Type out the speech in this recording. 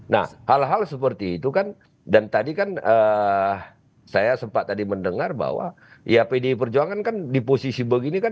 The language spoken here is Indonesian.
nah hal hal seperti itu kan dan tadi kan saya sempat tadi mendengar bahwa ya pdi perjuangan kan di posisi begini kan